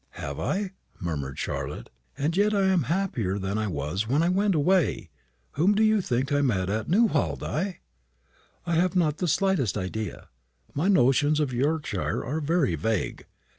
"Have I?" murmured Charlotte; "and yet I am happier than I was when I went away. Whom do you think I met at Newhall, Di?" "I have not the slightest idea. My notions of Yorkshire are very vague.